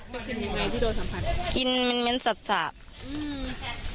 ก็กลิ่นยังไงที่โดยสัมผัสกินมันเหมือนเหมือนสับสาบอืม